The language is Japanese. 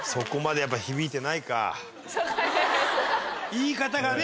言い方がね